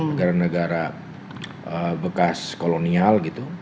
negara negara bekas kolonial gitu